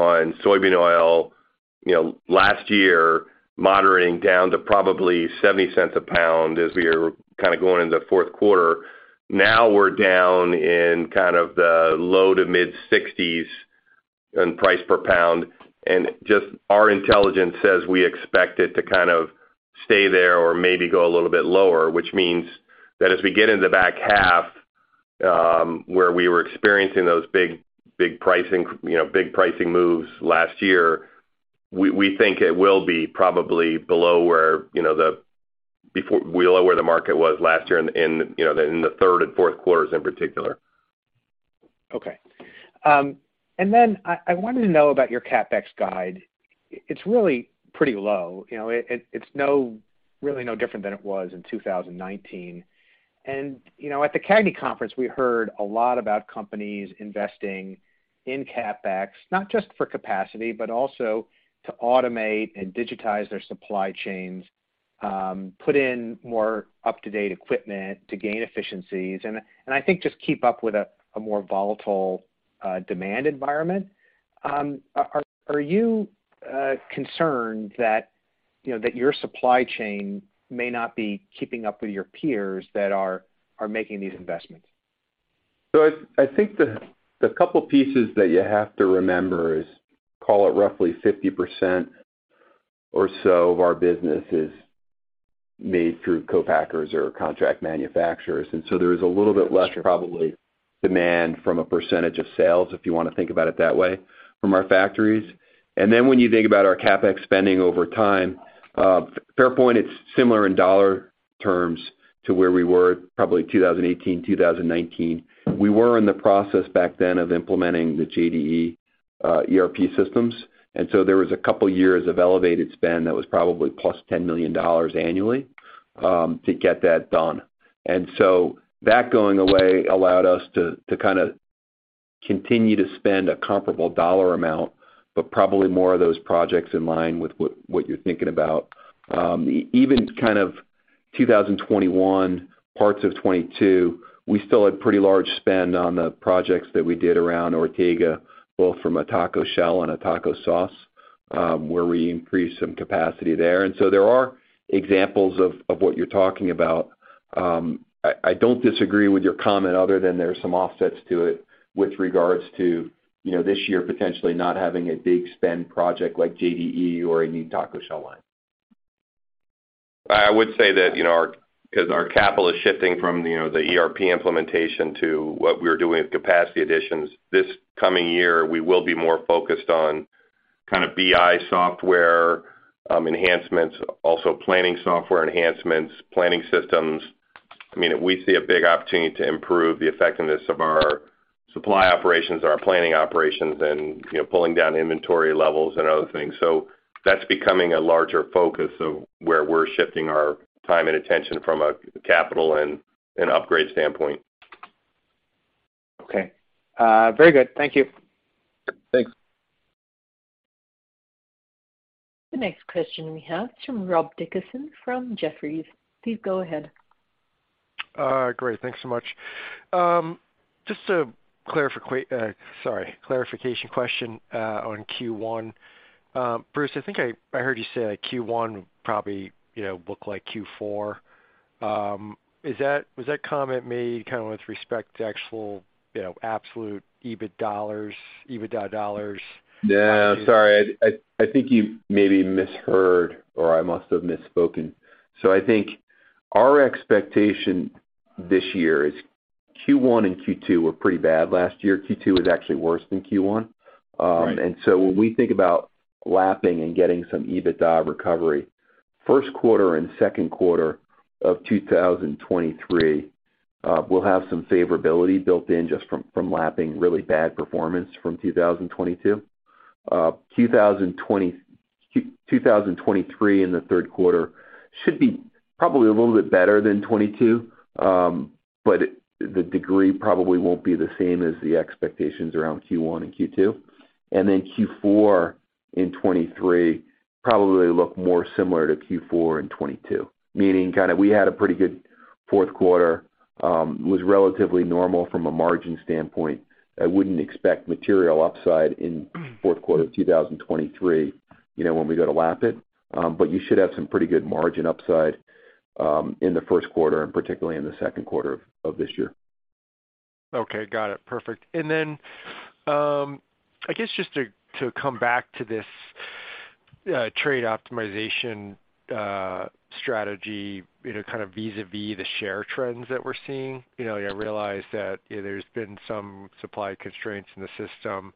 on soybean oil, you know, last year, moderating down to probably $0.70 a pound as we are kind of going into the fourth quarter. Now we're down in kind of the low to mid-$0.60s in price per pound. Just our intelligence says we expect it to kind of stay there or maybe go a little bit lower, which means that as we get in the back half, where we were experiencing those big pricing, you know, big pricing moves last year, we think it will be probably below where, you know, below where the market was last year in, you know, in the third and fourth quarters in particular. Okay. Then I wanted to know about your CapEx guide. It's really pretty low. You know, it's really no different than it was in 2019. You know, at the CAGNY conference, we heard a lot about companies investing in CapEx, not just for capacity, but also to automate and digitize their supply chains, put in more up-to-date equipment to gain efficiencies, and I think just keep up with a more volatile demand environment. Are you concerned that, you know, that your supply chain may not be keeping up with your peers that are making these investments? I think the couple pieces that you have to remember is, call it roughly 50% or so of our business is made through co-packers or contract manufacturers. There is a little bit less probably demand from a percentage of sales, if you wanna think about it that way, from our factories. When you think about our CapEx spending over time, fair point, it's similar in dollar terms to where we were probably 2018, 2019. We were in the process back then of implementing the JDE ERP systems. There was a couple years of elevated spend that was probably +$10 million annually to get that done. That going away allowed us to kinda continue to spend a comparable $ amount, but probably more of those projects in line with what you're thinking about. Even kind of 2021, parts of 2022, we still had pretty large spend on the projects that we did around Ortega, both from a taco shell and a taco sauce, where we increased some capacity there. There are examples of what you're talking about. I don't disagree with your comment other than there are some offsets to it with regards to, you know, this year potentially not having a big spend project like JDE or a new taco shell line. I would say that, you know, as our capital is shifting from, you know, the ERP implementation to what we're doing with capacity additions, this coming year, we will be more focused on kind of BI software enhancements, also planning software enhancements, planning systems. I mean, we see a big opportunity to improve the effectiveness of our supply operations, our planning operations, and, you know, pulling down inventory levels and other things. That's becoming a larger focus of where we're shifting our time and attention from a capital and upgrade standpoint. Okay. very good. Thank you. Thanks. The next question we have is from Rob Dickerson from Jefferies. Please go ahead. Great. Thanks so much. Just a clarification question on Q1. Bruce, I think I heard you say that Q1 probably, you know, look like Q4. Was that comment made kinda with respect to actual, you know, absolute EBIT dollars, EBITDA dollars? Yeah. I'm sorry. I think you maybe misheard or I must have misspoken. I think our expectation this year is Q1 and Q2 were pretty bad last year. Q2 was actually worse than Q1. Right. When we think about lapping and getting some EBITDA recovery, first quarter and second quarter of 2023, we'll have some favorability built in just from lapping really bad performance from 2022. 2023 in the third quarter should be probably a little bit better than 2022, the degree probably won't be the same as the expectations around Q1 and Q2. Then Q4 in 2023 probably look more similar to Q4 in 2022. Meaning kinda we had a pretty good fourth quarter, was relatively normal from a margin standpoint. I wouldn't expect material upside in fourth quarter of 2023 when we go to lap it. You should have some pretty good margin upside in the first quarter and particularly in the second quarter of this year. Okay. Got it. Perfect. I guess just to come back to this, trade optimization, strategy, you know, kind of vis-à-vis the share trends that we're seeing. You know, I realize that, you know, there's been some supply constraints in the system.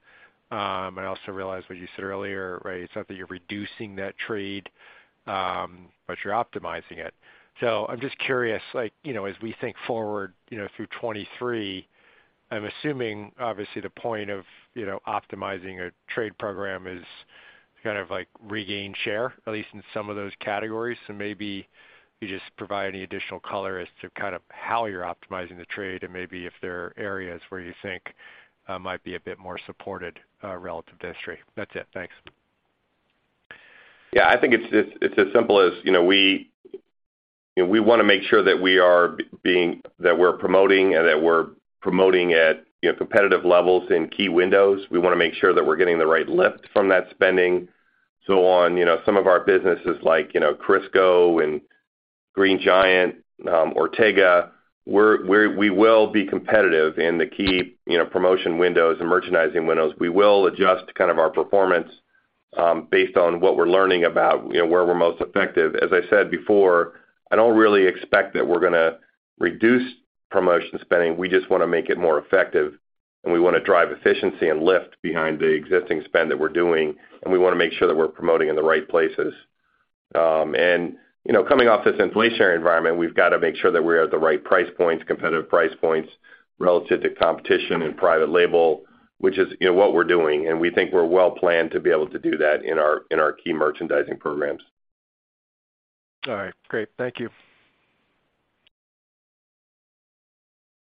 I also realize what you said earlier, right? It's not that you're reducing that trade, but you're optimizing it. I'm just curious, like, you know, as we think forward, you know, through 2023, I'm assuming obviously the point of, you know, optimizing a trade program is Kind of like regain share, at least in some of those categories. Maybe you just provide any additional color as to kind of how you're optimizing the trade and maybe if there are areas where you think might be a bit more supported relative to history. That's it. Thanks. Yeah. I think it's as simple as, you know, we, you know, we wanna make sure that we're promoting and that we're promoting at, you know, competitive levels in key windows. We wanna make sure that we're getting the right lift from that spending. On, you know, some of our businesses like, you know, Crisco and Green Giant, Ortega, we will be competitive in the key, you know, promotion windows and merchandising windows. We will adjust kind of our performance based on what we're learning about, you know, where we're most effective. As I said before, I don't really expect that we're gonna reduce promotion spending. We just wanna make it more effective, and we wanna drive efficiency and lift behind the existing spend that we're doing, and we wanna make sure that we're promoting in the right places. you know, coming off this inflationary environment, we've got to make sure that we're at the right price points, competitive price points relative to competition in private label, which is, you know, what we're doing. We think we're well-planned to be able to do that in our, in our key merchandising programs. All right. Great. Thank you.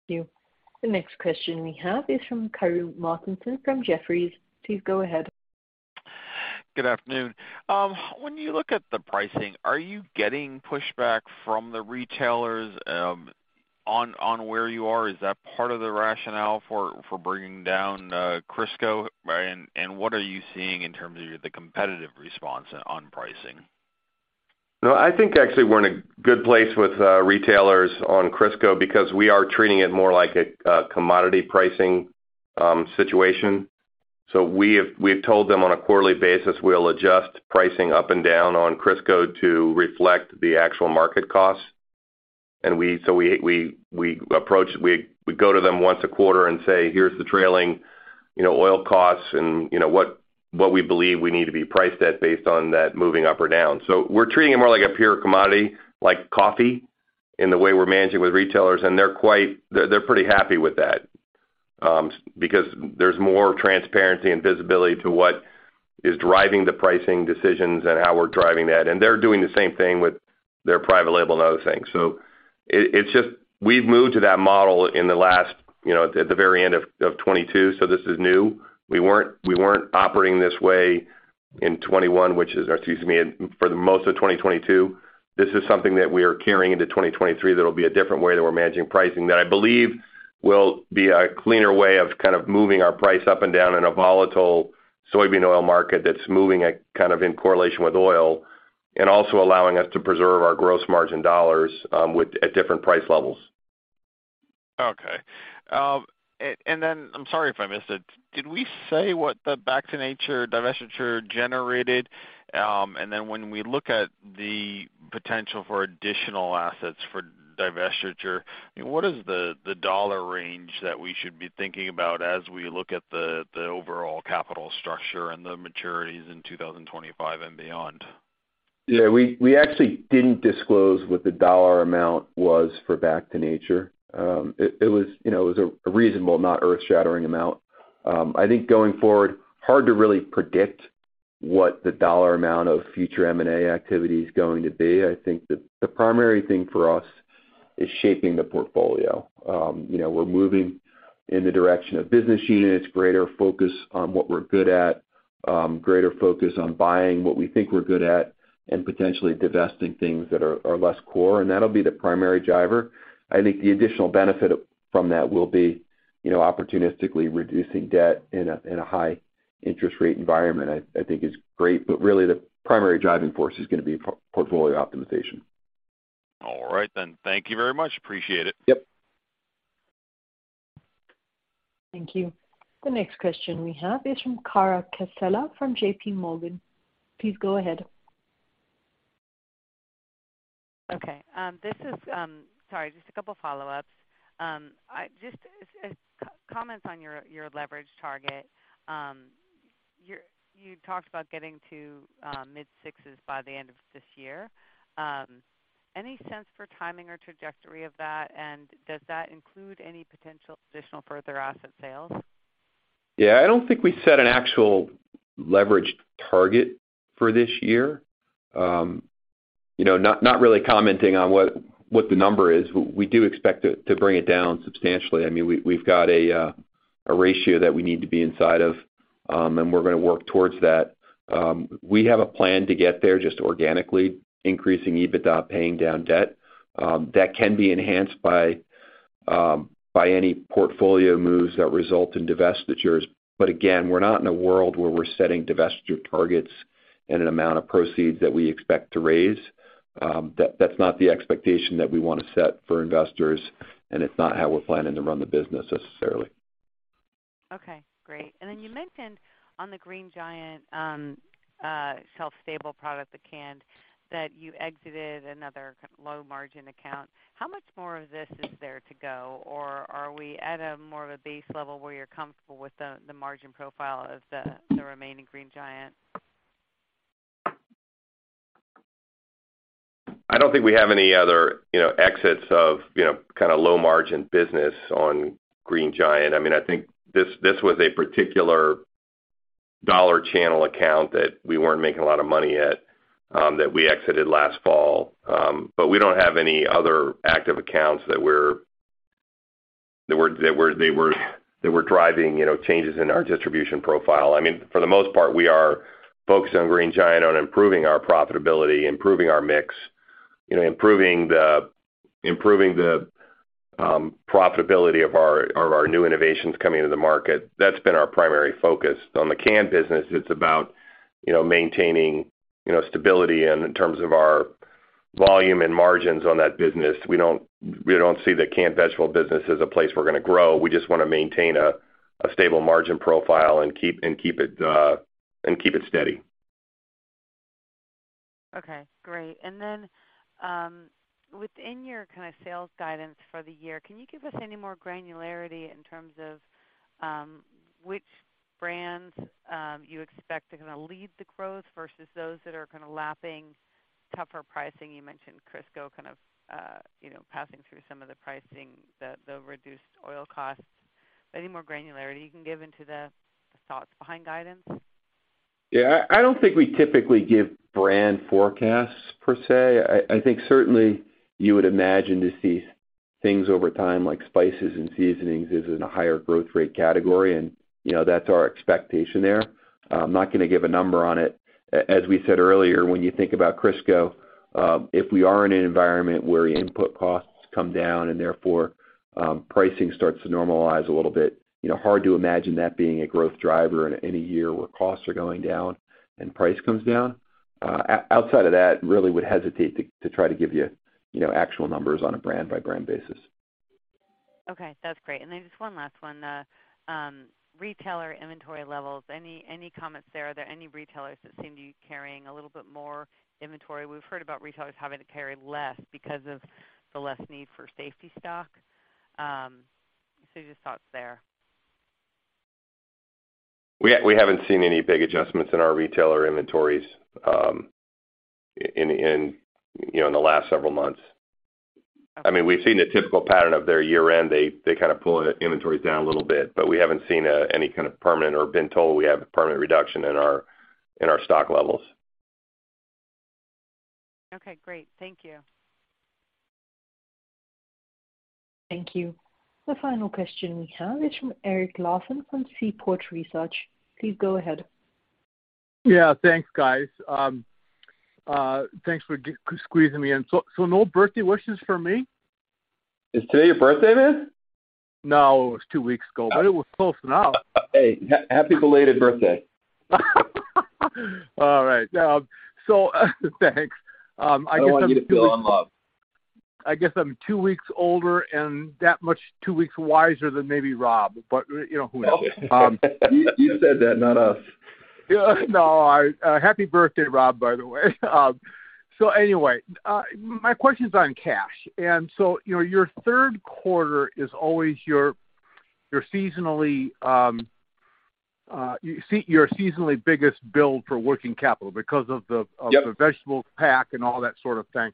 Thank you. The next question we have is from Karru Martinson from Jefferies. Please go ahead. Good afternoon. When you look at the pricing, are you getting pushback from the retailers, on where you are? Is that part of the rationale for bringing down Crisco? What are you seeing in terms of the competitive response on pricing? No, I think actually we're in a good place with retailers on Crisco because we are treating it more like a commodity pricing situation. We have told them on a quarterly basis we'll adjust pricing up and down on Crisco to reflect the actual market costs. We go to them once a quarter and say, "Here's the trailing, you know, oil costs," and, you know, what we believe we need to be priced at based on that moving up or down. We're treating it more like a pure commodity like coffee in the way we're managing with retailers, they're pretty happy with that because there's more transparency and visibility to what is driving the pricing decisions and how we're driving that. They're doing the same thing with their private label and other things. It, it's just we've moved to that model in the last, you know, at the very end of 2022, so this is new. We weren't, we weren't operating this way in 2021, which is, or excuse me, for the most of 2022. This is something that we are carrying into 2023 that'll be a different way that we're managing pricing that I believe will be a cleaner way of kind of moving our price up and down in a volatile soybean oil market that's moving at kind of in correlation with oil and also allowing us to preserve our gross margin dollars at different price levels. I'm sorry if I missed it. Did we say what the Back to Nature divestiture generated? When we look at the potential for additional assets for divestiture, what is the dollar range that we should be thinking about as we look at the overall capital structure and the maturities in 2025 and beyond? Yeah. We actually didn't disclose what the dollar amount was for Back to Nature. it was, you know, it was a reasonable, not earth-shattering amount. I think going forward, hard to really predict what the dollar amount of future M&A activity is going to be. I think the primary thing for us is shaping the portfolio. you know, we're moving in the direction of business units, greater focus on what we're good at, greater focus on buying what we think we're good at and potentially divesting things that are less core. That'll be the primary driver. I think the additional benefit from that will be, you know, opportunistically reducing debt in a high interest rate environment, I think is great. Really the primary driving force is going to be portfolio optimization. All right then. Thank you very much. Appreciate it. Yep. Thank you. The next question we have is from Carla Casella from JPMorgan. Please go ahead. Okay, sorry, just a couple follow-ups. I just, co-comments on your leverage target. You talked about getting to mid-sixes by the end of this year. Any sense for timing or trajectory of that? Does that include any potential additional further asset sales? Yeah. I don't think we set an actual leverage target for this year. You know, not really commenting on what the number is. We do expect to bring it down substantially. I mean, we've got a ratio that we need to be inside of, and we're gonna work towards that. We have a plan to get there just organically increasing EBITDA, paying down debt, that can be enhanced by any portfolio moves that result in divestitures. Again, we're not in a world where we're setting divestiture targets and an amount of proceeds that we expect to raise. That's not the expectation that we wanna set for investors, and it's not how we're planning to run the business necessarily. Okay, great. You mentioned on the Green Giant, shelf stable product, the canned, that you exited another low margin account. How much more of this is there to go, or are we at a more of a base level where you're comfortable with the margin profile of the remaining Green Giant? I don't think we have any other, you know, exits of, you know, kinda low margin business on Green Giant. I mean, I think this was a particular dollar channel account that we weren't making a lot of money at, that we exited last fall. We don't have any other active accounts that they were driving, you know, changes in our distribution profile. I mean, for the most part, we are focused on Green Giant on improving our profitability, improving our mix, you know, improving the profitability of our, of our new innovations coming into the market. That's been our primary focus. On the canned business, it's about, you know, maintaining, you know, stability and in terms of our volume and margins on that business. We don't see the canned vegetable business as a place we're going to grow. We just want to maintain a stable margin profile and keep it steady. Okay, great. Then, within your kinda sales guidance for the year, can you give us any more granularity in terms of, which brands, you expect are gonna lead the growth versus those that are kinda lapping tougher pricing? You mentioned Crisco kind of, you know, passing through some of the pricing, the reduced oil costs. Any more granularity you can give into the thoughts behind guidance? Yeah. I don't think we typically give brand forecasts per se. I think certainly you would imagine to see things over time like spices and seasonings is in a higher growth rate category and, you know, that's our expectation there. I'm not gonna give a number on it. As we said earlier, when you think about Crisco, if we are in an environment where input costs come down and therefore, pricing starts to normalize a little bit, you know, hard to imagine that being a growth driver in any year where costs are going down and price comes down. Outside of that, really would hesitate to try to give you know, actual numbers on a brand by brand basis. Okay, that's great. Just one last one. retailer inventory levels, any comments there? Are there any retailers that seem to be carrying a little bit more inventory? We've heard about retailers having to carry less because of the less need for safety stock. Just thoughts there. We haven't seen any big adjustments in our retailer inventories, in, you know, in the last several months. I mean, we've seen a typical pattern of their year-end. They kinda pull inventories down a little bit, but we haven't seen any kind of permanent or been told we have a permanent reduction in our stock levels. Okay, great. Thank you. Thank you. The final question we have is from Eric Larson from Seaport Research. Please go ahead. Yeah, thanks, guys. Thanks for squeezing me in. No birthday wishes for me? Is today your birthday, man? No, it was two weeks ago, but it was close enough. Hey, happy belated birthday. All right. Thanks. I guess I'm. I want you to fill in love. I guess I'm two weeks older and that much two weeks wiser than maybe Rob, but, you know, who knows? You said that, not us. Yeah. No. Happy birthday, Rob, by the way. Anyway, my question's on cash. You know, your third quarter is always your seasonally biggest build for working capital because of the- Yep. Of the vegetable pack and all that sort of thing.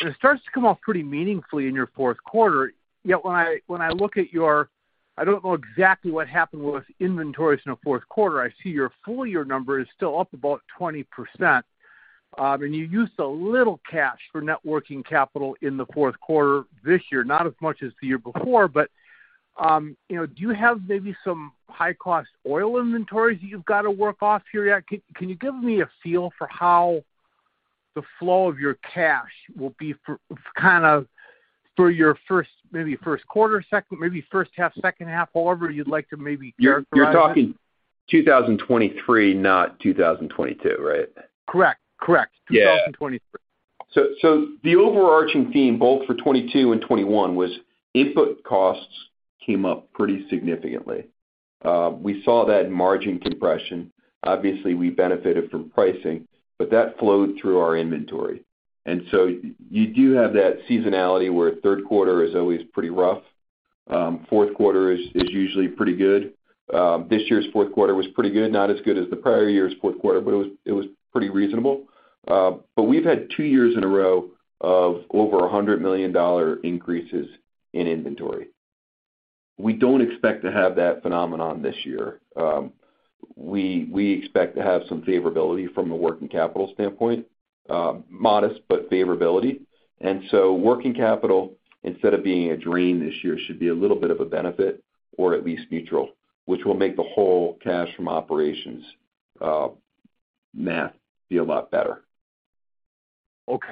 It starts to come off pretty meaningfully in your fourth quarter, yet when I, when I look at your, I don't know exactly what happened with inventories in the fourth quarter. I see your full year number is still up about 20%. You used a little cash for net working capital in the fourth quarter this year, not as much as the year before, but, you know, do you have maybe some high-cost oil inventories that you've got to work off here yet? Can you give me a feel for how the flow of your cash will be for kind of your maybe first quarter, maybe first half, second half, however you'd like to maybe characterize it. You're talking 2023, not 2022, right? Correct. Correct. Yeah. 2023. The overarching theme both for 2022 and 2021 was input costs came up pretty significantly. We saw that in margin compression. Obviously, we benefited from pricing, but that flowed through our inventory. You do have that seasonality where third quarter is always pretty rough. Fourth quarter is usually pretty good. This year's fourth quarter was pretty good. Not as good as the prior year's fourth quarter, but it was pretty reasonable. We've had 2 years in a row of over $100 million increases in inventory. We don't expect to have that phenomenon this year. We expect to have some favorability from a working capital standpoint, modest but favorability. Working capital, instead of being a drain this year, should be a little bit of a benefit or at least neutral, which will make the whole cash from operations math be a lot better. Okay.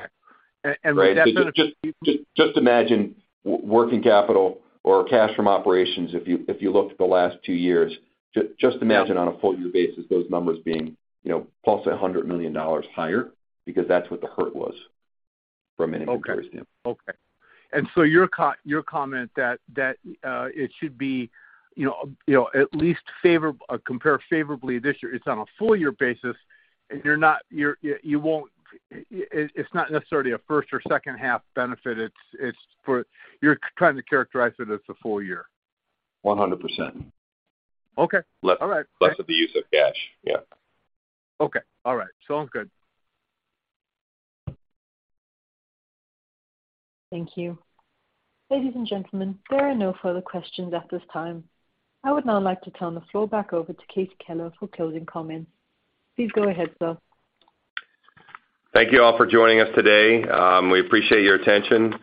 would that benefit- Just imagine working capital or cash from operations if you looked at the last 2 years. Just imagine on a full year basis, those numbers being, you know, +$100 million higher because that's what the hurt was from an inventory standpoint. Okay. Okay. Your comment that, it should be, you know, you know, compare favorably this year, it's on a full year basis, and you won't... it's not necessarily a first or second half benefit. It's for... You're trying to characterize it as a full year. 100%. Okay. All right. Less of the use of cash. Yeah. Okay. All right. Sounds good. Thank you. Ladies and gentlemen, there are no further questions at this time. I would now like to turn the floor back over to Casey Keller for closing comments. Please go ahead, sir. Thank you all for joining us today. We appreciate your attention.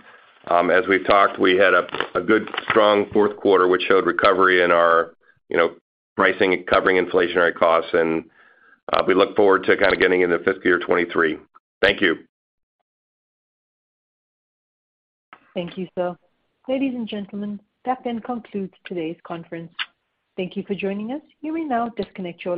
As we've talked, we had a good strong fourth quarter which showed recovery in our, you know, pricing and covering inflationary costs, and we look forward to kinda getting into fiscal year 2023. Thank you. Thank you, sir. Ladies and gentlemen, that then concludes today's conference. Thank you for joining us. You may now disconnect your line.